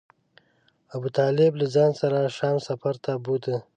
ابو طالب له ځان سره شام سفر ته بوته.